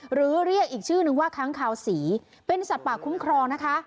หรือเรียกอีกชื่อนึงว่าค้างคาวศรีเป็นสัตว์ป่าคุ้มครองนะคะ